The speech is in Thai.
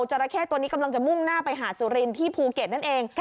ราเข้ตัวนี้กำลังจะมุ่งหน้าไปหาดสุรินที่ภูเก็ตนั่นเอง